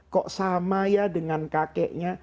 kok sama ya dengan kakeknya